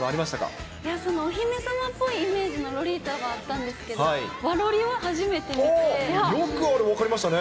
そのお姫様っぽいイメージのロリータはあったんですけど、よくあれ、分かりましたね。